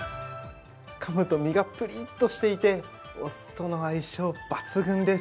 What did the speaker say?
かむと、身がプリッとしていて、お酢との相性、抜群です。